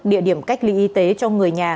địa điểm cách ly y tế cho người nhà